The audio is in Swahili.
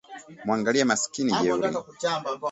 Mwangalie, maskini jeuri